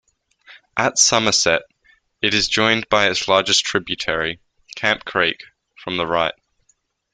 At Somerset, it is joined by its largest tributary, Camp Creek, from the right.